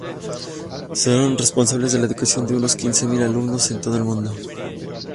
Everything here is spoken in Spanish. Son responsables de la educación de unos quince mil alumnos en todo el mundo.